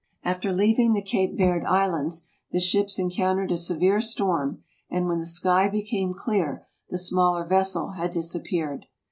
After leaving the Cape Verde Islands the ships encoun tered a severe storm ; and when the sky became clear the smaller vessel had disappeared.